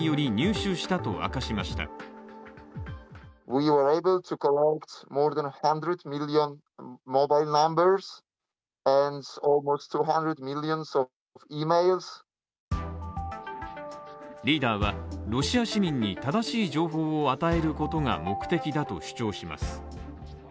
リーダーはロシア市民に正しい情報を与えることが目的だと主張します。